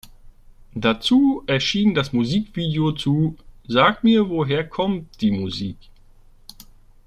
Dazu erschien das Musikvideo zu „Sag mir woher kommt die Musik“.